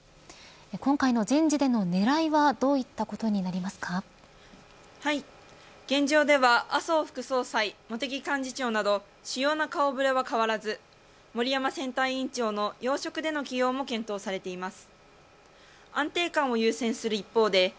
今回の人事での狙いは現状では麻生副総裁、茂木幹事長など主要な顔触れは変わらず森山選対委院長の要職での起用も検討されています